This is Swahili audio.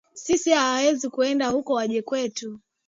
Sisi hawawezi kuenda uko waje kwetu